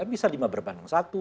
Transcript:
bisa lima berbanding satu